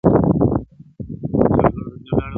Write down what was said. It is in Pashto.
دې يوه لمن ښكلا په غېږ كي ايښې ده.